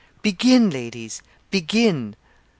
Begin, ladies, begin! .